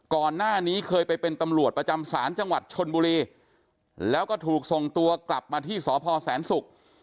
ก่อนหน้านี้เคยไปเป็นตำรวจประจำศาลจังหวัดชนบุรีแล้วก็ถูกส่งตัวกลับมาที่สพแสนศุกร์